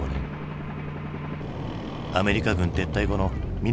アメリカ軍撤退後の南